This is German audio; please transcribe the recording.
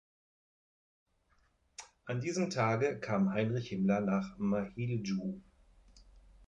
An diesem Tage kam Heinrich Himmler nach Mahiljou.